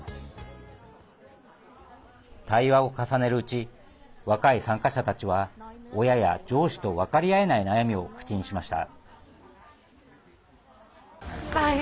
対話を重ねるうち若い参加者たちは親や上司と分かり合えない悩みを口にしました。